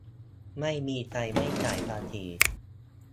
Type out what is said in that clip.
- ไม่มีใครไม่จ่ายภาษี